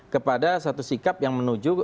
kepada satu sikap yang menuju